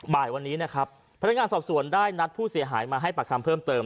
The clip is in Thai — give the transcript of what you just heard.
บ่ายวันนี้นะครับพนักงานสอบสวนได้นัดผู้เสียหายมาให้ปากคำเพิ่มเติม